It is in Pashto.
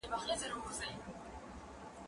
زه له سهاره ليکنه کوم!.